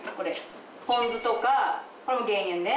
ぽん酢とかこれも減塩ね。